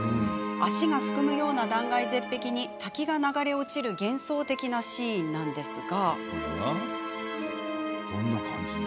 足がすくむような断崖絶壁に滝が流れ落ちる幻想的なシーンですが。